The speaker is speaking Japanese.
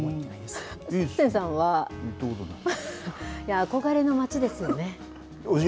憧れの街ですよね。